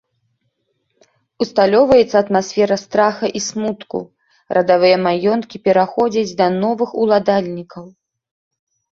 Усталёўваецца атмасфера страха і смутку, радавыя маёнткі пераходзяць да новых уладальнікаў.